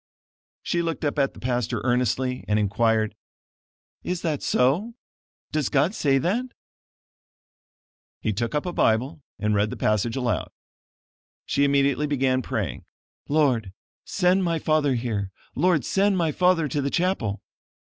She looked up at the pastor earnestly, and inquired: "Is that so? Does God say that?" He took up a Bible and read the passage aloud. She immediately began praying: "Lord, send my father here; Lord, send my father to the chapel."